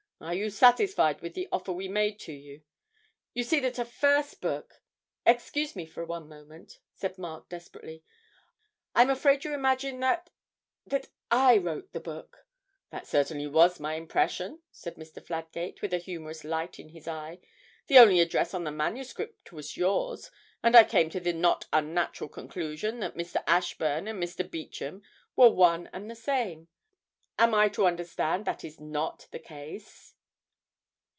Are you satisfied with the offer we made to you? You see that a first book ' 'Excuse me for one moment,' said Mark desperately, 'I'm afraid you imagine that that I wrote the book?' 'That certainly was my impression,' said Mr. Fladgate, with a humorous light in his eye; 'the only address on the manuscript was yours, and I came to the not unnatural conclusion that Mr. Ashburn and Mr. Beauchamp were one and the same. Am I to understand that is not the case?'